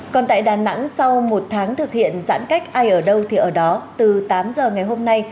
còn tại đà nẵng sau một tháng thực hiện giãn cách ai ở đâu thì ở đó từ tám giờ ngày hôm nay